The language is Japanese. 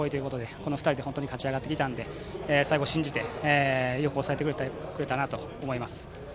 この２人で勝ち上がってきたので最後は信じてよく抑えてくれたなと思います。